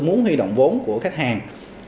muốn huy động vốn của khách hàng